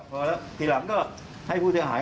พอแล้วทีหลังก็ให้ผู้เสียหาย